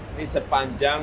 ini sepanjang sembilan km